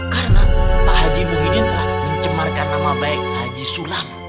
karena pak haji muhyiddin telah mencemarkan nama baik haji sulam